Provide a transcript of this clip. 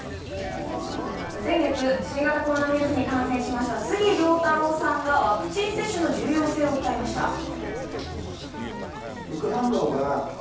先月新型コロナウイルスに感染しました杉良太郎さんがワクチン接種の重要性を訴えました。